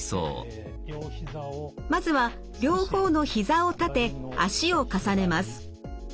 まずは両方の膝を立て脚を重ねます。